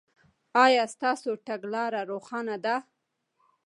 ایا ستاسو تګلاره روښانه ده؟